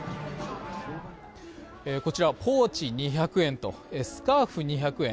こちら、ポーチ２００円とスカーフ２００円。